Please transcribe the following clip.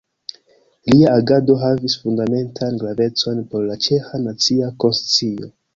Lia agado havis fundamentan gravecon por la ĉeĥa nacia konscio.